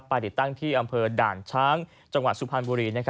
ติดตั้งที่อำเภอด่านช้างจังหวัดสุพรรณบุรี